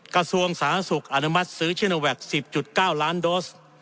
กระทรวงสาธารณสุขอนุมัติซื้อชิโนแวค๑๐๙ล้านโดส